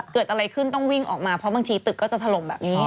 เกิดอะไรขึ้นต้องวิ่งออกมาเพราะบางทีตึกก็จะถล่มแบบนี้